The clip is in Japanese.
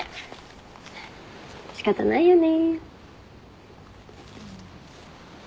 仕方ないよね。